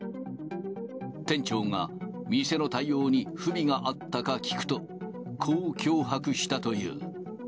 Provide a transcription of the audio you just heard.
店長が店の対応に不備があったか聞くと、こう脅迫したという。